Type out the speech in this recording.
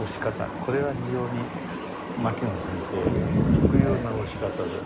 これは非常に牧野先生特有な押し方で。